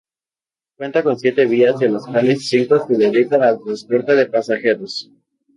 Cuenta con siete vías de las cuales cinco se dedican al transporte de pasajeros.